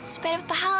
supaya dapat pahala